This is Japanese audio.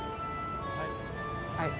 はい。